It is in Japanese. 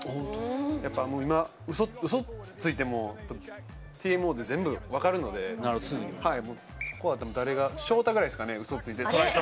やっぱ今、ウソついてもＴＭＯで全部分かるので、そこは翔大ぐらいですかね、ウソついてトライ！